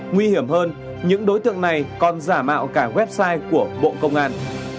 nguy hiểm hơn những đối tượng này còn giả mạo cả website của bộ công an